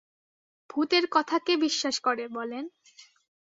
ভূতের কথা কে বিশ্বাস করে বলেন?